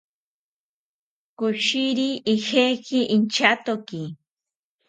Koshiri ijeki inchatoki